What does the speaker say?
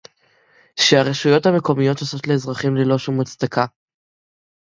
שהרשויות המקומיות עושות לאזרחים ללא שום הצדקה